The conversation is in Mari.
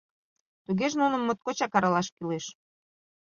Тугеже нуным моткочак аралаш кӱлеш.